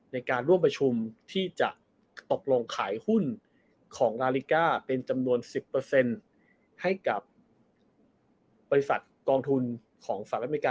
ในการร่วมประชุมที่จะตกลงขายหุ้นของลาลิก้าเป็นจำนวนสิบเปอร์เซ็นต์ให้กับบริษัทกองทุนของฝรั่งอเมริกา